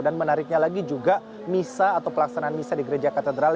dan menariknya lagi juga misa atau pelaksanaan misa di gereja katedral